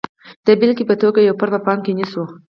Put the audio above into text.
د بېلګې په توګه یو فرد په پام کې نیسو.